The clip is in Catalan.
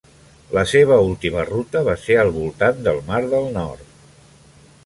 La seva última ruta va ser al voltant del mar del Nord.